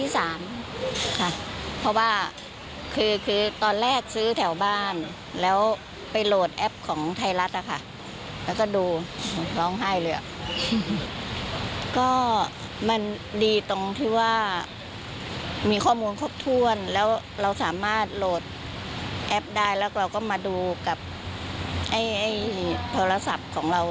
สามารถโหลดแอปได้แล้วก็มาดูกับโทรศัพท์ของเรา